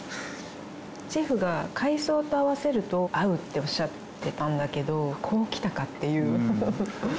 シェフが海藻と合わせると合うっておっしゃってたんだけどこうきたかっていう。